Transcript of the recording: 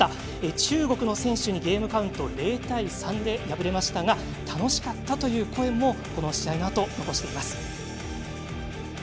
中国の選手にゲームカウント、０対３で敗れましたが楽しかったという声も試合のあとに残しています。